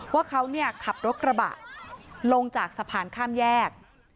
ว่าเขาขับรถกระบะลงจากสะพานข้ามแยก